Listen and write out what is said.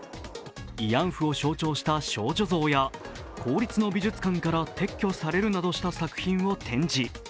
慰安婦を象徴した少女像や公立の美術館から撤去されるなどした作品を展示。